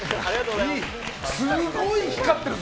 すごい光ってるぞ。